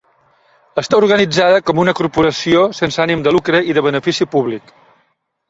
Està organitzada com una corporació sense ànim de lucre i de benefici públic.